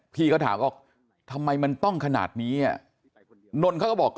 พี่ก็ถามว่าทำไมมันต้องขนาดนี้นนทเขาก็บอก